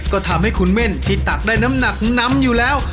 ก็ทำให้คุณเม่นที่ตักได้น้ำหนักนำอยู่แล้ว